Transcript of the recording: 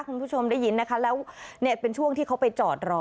คุณผู้ชมได้ยินนะคะแล้วเนี่ยเป็นช่วงที่เขาไปจอดรอ